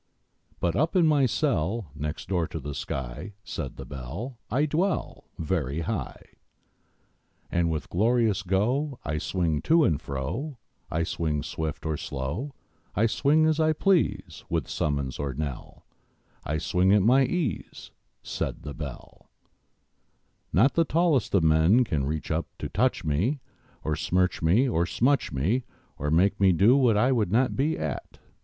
But up in my cell Next door to the sky, Said the Bell, I dwell Very high; And with glorious go I swing to and fro; I swing swift or slow, I swing as I please, With summons or knell; I swing at my ease, Said the Bell: Not the tallest of men Can reach up to touch me, To smirch me or smutch me, Or make me do what I would not be at!